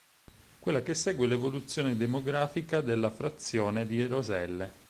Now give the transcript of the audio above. Quella che segue è l'evoluzione demografica della frazione di Roselle.